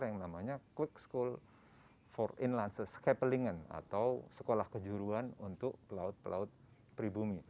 yang namanya quick school for inlances scappelingen atau sekolah kejuruan untuk pelaut pelaut pribumi